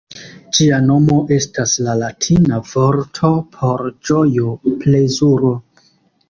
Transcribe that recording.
Ĝia nomo estas la latina vorto por ĝojo, plezuro.